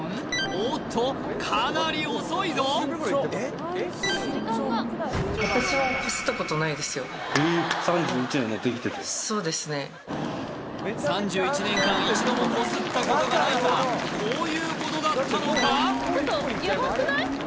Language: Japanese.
おっとかなり遅いぞへえ３１年間一度もこすったことがないとはこういうことだったのか？